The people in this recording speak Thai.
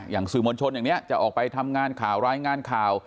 อย่างสื่อมวลชนอย่างนี้จะออกไปทำงานข่าวรายงานข่าว